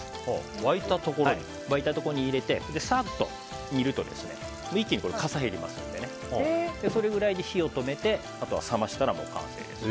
沸いたところに入れてサッと煮ると一気にかさが減りますのでそれぐらいで火を止めて冷ましたら完成です。